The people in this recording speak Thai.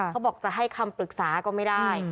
เขาบอกจะให้คำปรึกษาก็ไม่ได้